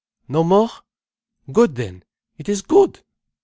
No more? Good then! It is good!